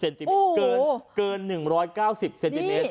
๑๙๐เซนติเมตรเกิน๑๙๐เซนติเมตร